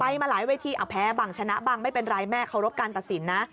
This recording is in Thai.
มาหลายเวทีเอาแพ้บังชนะบังไม่เป็นไรแม่เคารพการตัดสินนะ